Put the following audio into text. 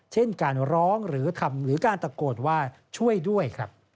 เช่นการร้องหรือการตะโกดว่าช่วยด้วย